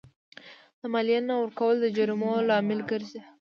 د مالیې نه ورکول د جریمو لامل ګرځي.